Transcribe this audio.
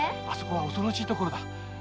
あそこは恐ろしい所だ。